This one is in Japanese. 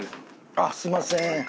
あっすみません。